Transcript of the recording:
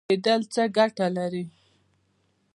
پټیدل څه ګټه لري؟